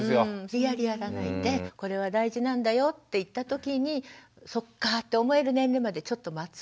無理やりやらないでこれは大事なんだよっていった時にそっかって思える年齢までちょっと待つ。